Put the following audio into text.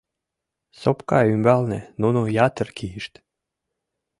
Сопка ӱмбалне нуно ятыр кийышт.